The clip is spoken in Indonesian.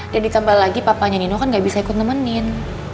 dan ditambah lagi papanya nino kan nggak bisa ikut nemenin